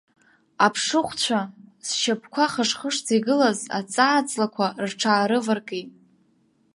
Аԥшыхәцәа, зшьапқәа хыш-хышӡа игылаз аҵаа-ҵлақәа рҽаарываркит.